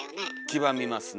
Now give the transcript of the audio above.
黄ばみますね。